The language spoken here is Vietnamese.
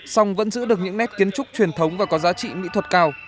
song vẫn giữ được những nét kiến trúc truyền thống và có giá trị mỹ thuật cao